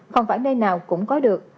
không phải nơi nào cũng có được